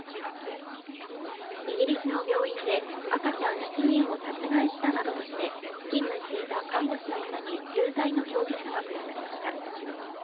イギリスの病院で赤ちゃん７人を殺害したなどとして勤務していた看護師の女に有罪の評決が下されました。